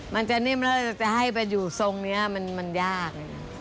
มันจะนิ่มแล้วจะให้ไปอยู่ทรงนี้มันยาก